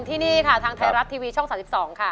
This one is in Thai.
ที่นี่ค่ะทางไทยรัฐทีวีช่อง๓๒ค่ะ